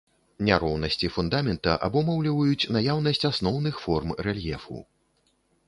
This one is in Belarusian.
Няроўнасці фундамента абумоўліваюць наяўнасць асноўных форм рэльефу.